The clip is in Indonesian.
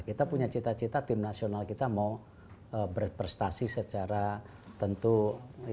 kita punya cita cita tim nasional kita mau berprestasi secara tentu ya